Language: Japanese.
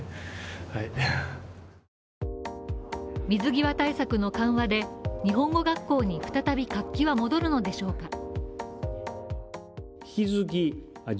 水際対策の緩和で日本語学校に再び活気は戻るのでしょうか。